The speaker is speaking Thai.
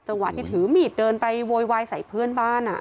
ที่ถือมีดเดินไปโวยวายใส่เพื่อนบ้าน